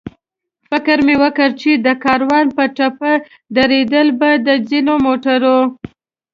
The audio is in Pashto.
فکر مې وکړ چې د کاروان په ټپه درېدل به د ځینو موټرو.